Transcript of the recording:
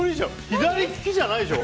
左利きじゃないでしょ。